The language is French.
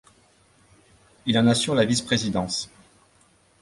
Il en assure la vice-présidence.